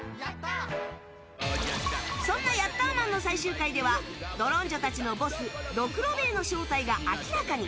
そんな「ヤッターマン」の最終回ではドロンジョたちのボスドクロベエの正体が明らかに。